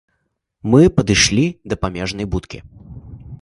Мы падышлі да памежнай будкі.